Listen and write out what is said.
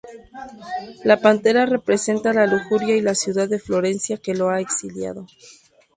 La pantera representa la lujuria y la ciudad de Florencia que lo ha exiliado.